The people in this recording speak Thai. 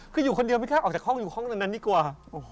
คืออยู่คนเดียวออกจากห้องอยู่ห้องนั้นนี่กว่า